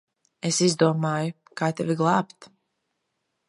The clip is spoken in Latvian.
Es izdomāju, kā tevi glābt.